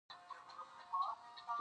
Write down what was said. ملزوم ذکر سي او مراد ځني لازم يي.